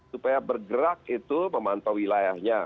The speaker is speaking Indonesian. supaya bergerak itu memantau wilayahnya